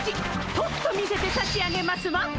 とくと見せてさしあげますわ！